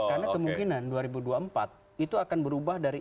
karena kemungkinan dua ribu dua puluh empat itu akan berubah dari